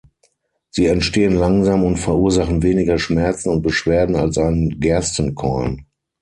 Sie entstehen langsam und verursachen weniger Schmerzen und Beschwerden als ein Gerstenkorn.